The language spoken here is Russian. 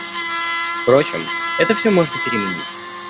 Впрочем, это все можно переменить.